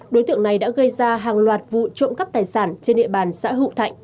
đối tượng này đã gây ra hàng loạt vụ trộm cắp tài sản trên địa bàn xã hữu thạnh